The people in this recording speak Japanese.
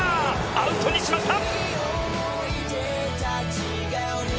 アウトにしました！